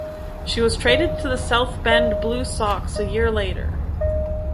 She was traded to the South Bend Blue Sox a year later.